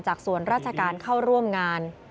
ส่วนราชการเข้าร่วมงาน